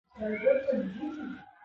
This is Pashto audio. چې د پښتو ستر علم بردار خوشحال خټک پکې